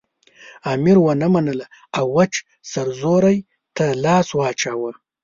امیر ونه منله او وچ سرزوری ته لاس واچاوه.